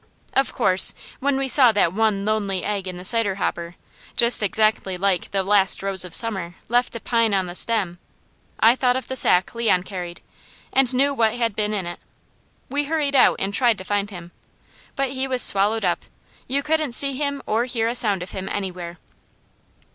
Of course when we saw that one lonely egg in the cider hopper, just exactly like the "Last Rose of Summer, left to pine on the stem," I thought of the sack Leon carried, and knew what had been in it. We hurried out and tried to find him, but he was swallowed up. You couldn't see him or hear a sound of him anywhere.